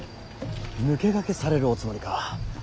抜け駆けされるおつもりか。